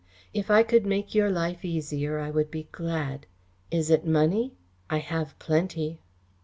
If I could make your life easier, I would be glad. Is it money? I have plenty."